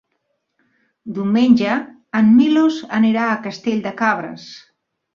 Diumenge en Milos anirà a Castell de Cabres.